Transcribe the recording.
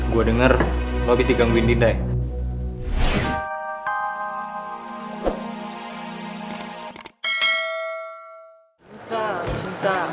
gue denger lo habis digangguin dindai